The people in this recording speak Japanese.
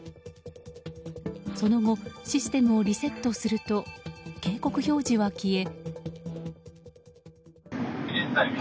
その後システムをリセットすると警告表示は消え。